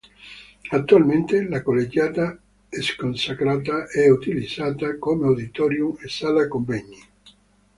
Attualmente la collegiata, sconsacrata, è utilizzata come auditorium e sala convegni.